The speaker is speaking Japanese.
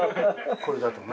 これだとね。